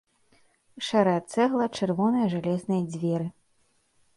Шэрая цэгла, чырвоныя жалезныя дзверы.